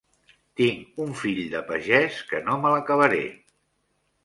Tinc un fill de pagès que no me l'acabaré.